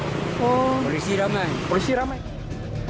sudah pergi polisi ramai